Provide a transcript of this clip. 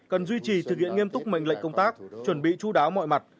cần duy trì thực hiện nghiêm túc mệnh lệnh công tác chuẩn bị chú đáo mọi mặt